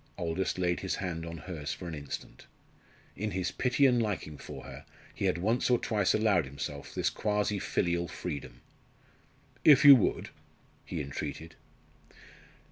Aldous laid his hand on hers for an instant. In his pity and liking for her he had once or twice allowed himself this quasi filial freedom. "If you would," he entreated.